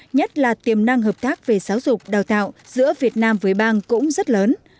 nhất là tiềm năng hợp tác về giáo dục đào tạo giữa việt nam với bang cũng rất lớn